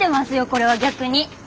これは逆に。